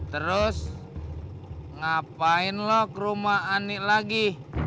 terus ngapain lo ke rumah ani lagi